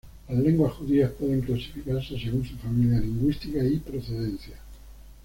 Las lenguas judías pueden clasificarse según su familia lingüística y procedencia.